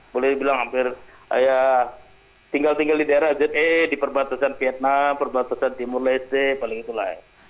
boleh dibilang hampir tinggal tinggal di daerah ze di perbatasan vietnam perbatasan timur leste paling itu lain